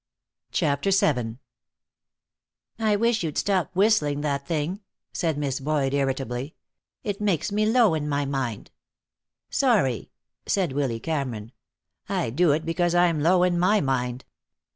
CHAPTER VII "I wish you'd stop whistling that thing," said Miss Boyd, irritably. "It makes me low in my mind." "Sorry," said Willy Cameron. "I do it because I'm low in my mind."